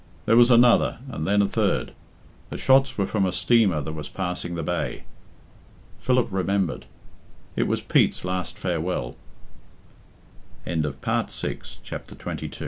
There was another, and then a third. The shots were from a steamer that was passing the bay. Philip remembered it was Pete's last farewell. XXIII. Half an hour later the Keep, the c